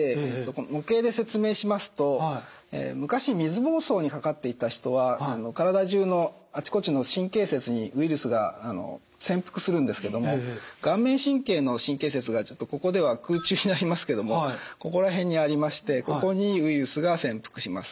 模型で説明しますと昔水ぼうそうにかかっていた人は体中のあちこちの神経節にウイルスが潜伏するんですけども顔面神経の神経節がここでは空中になりますけどもここら辺にありましてここにウイルスが潜伏します。